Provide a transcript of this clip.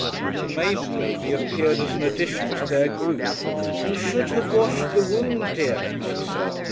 The maiden lady appeared as an addition to their group. "You should have washed the wound, dear," she said.